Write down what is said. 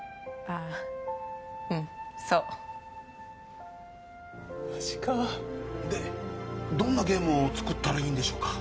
ああうんそうマジかでどんなゲームを作ったらいいんでしょうか